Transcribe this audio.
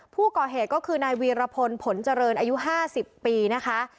ผู้ก่อเหตุก็คือนายวีรพลผลเจริญอายุ๕๐ปีนะคะ